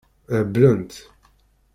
Heblent.